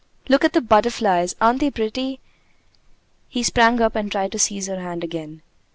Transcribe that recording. "Look at the butterflies! Aren't they pretty?" He sprang up and tried to seize her hand again.